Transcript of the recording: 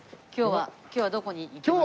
今日はどこに行きますか？